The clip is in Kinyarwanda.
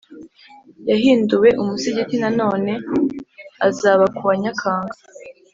yahinduwe umusigiti nanone, azaba ku wa, Nyakanga